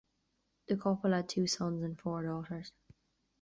The couple had two sons and four daughters.